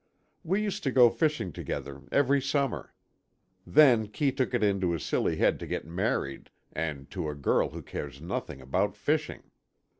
We used to go fishing together, every summer. Then Kee took it into his silly head to get married, and to a girl who cares nothing about fishing.